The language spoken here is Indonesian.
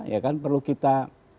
ya kan perlu kita